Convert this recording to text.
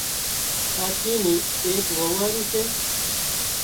ڪاچي نِي ايڪ وئوئاري سي